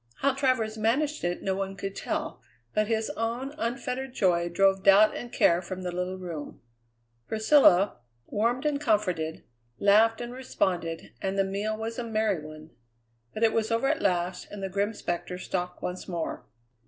How Travers managed it no one could tell, but his own unfettered joy drove doubt and care from the little room. Priscilla, warmed and comforted, laughed and responded, and the meal was a merry one. But it was over at last, and the grim spectre stalked once more.